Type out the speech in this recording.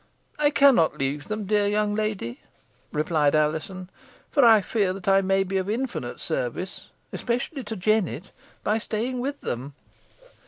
"I cannot leave them, dear young lady," replied Alizon; "for I feel I may be of infinite service especially to Jennet by staying with them.